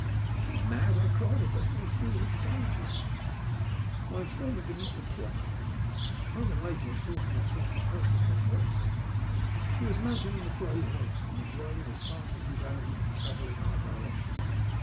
"Is he mad?" I cried, "or doesn't he see his danger ?" My informant did not reply, and a moment later I saw for myself the person referred to. He was mounted on a grey horse, and was riding as fast as his animal could travel in our direction.